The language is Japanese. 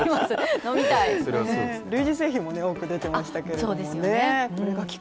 類似製品も多く出ていましたけれどもね。